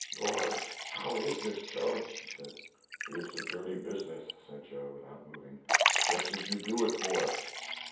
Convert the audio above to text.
"Lord, how is this, Joe?" he said. "It's a dirty business," said Joe, without moving. "What did you do it for?"